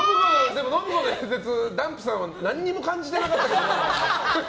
でも、信子の演説ダンプさんは何も感じてなかったけど。